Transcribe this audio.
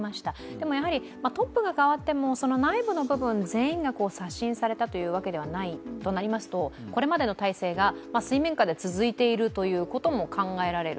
でもやはりトップが代わっても内部の部分、全員が刷新されたわけではないとなりますとこれまでの体制が水面下で続いていることも考えられる。